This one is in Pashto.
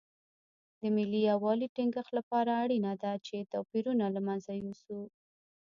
د ملي یووالي ټینګښت لپاره اړینه ده چې توپیرونه له منځه یوسو.